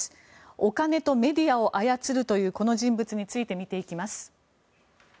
お金とメディアを操るというこの人物について見ていきます。